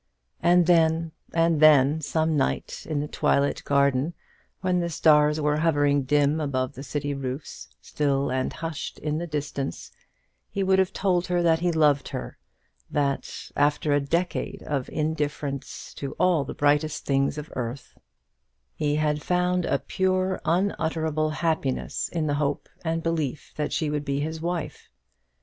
And then and then, some night in the twilit garden, when the stars were hovering dim about the city roofs still and hushed in the distance, he would have told her that he loved her; that, after a decade of indifference to all the brightest things of earth, he had found a pure unutterable happiness in the hope and belief that she would be his wife.